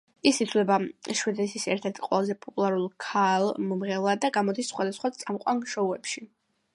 ის ითვლება შვედეთის ერთ-ერთ ყველაზე პოპულარულ ქალ მომღერლად და გამოდის სხვადასხვა წამყვან შოუებში.